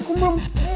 gue belum buang